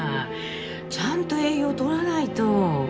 「ちゃんと栄養取らないと」